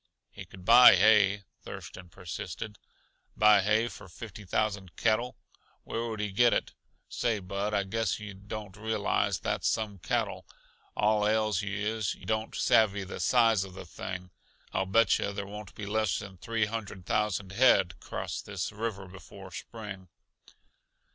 "He could buy hay," Thurston persisted. "Buy hay for fifty thousand cattle? Where would he get it? Say, Bud, I guess yuh don't realize that's some cattle. All ails you is, yuh don't savvy the size uh the thing. I'll bet yuh there won't be less than three hundred thousand head cross this river before spring."